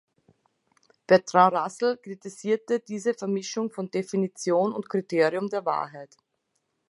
Bertrand Russell kritisierte diese Vermischung von Definition und Kriterium der Wahrheit.